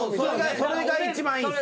それが一番いいですよ。